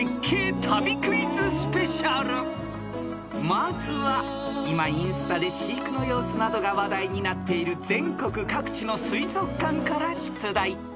［まずは今インスタで飼育の様子などが話題になっている全国各地の水族館から出題］